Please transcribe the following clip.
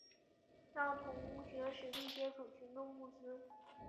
让同学实地接触群众募资